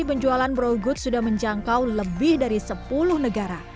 penjualan brow good sudah menjangkau lebih dari sepuluh negara